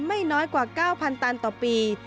ไม่น้อยกว่า๙๐๐ตันต่อปี